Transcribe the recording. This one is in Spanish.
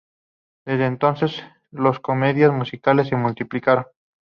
Desde entonces, las comedias musicales se multiplicaron.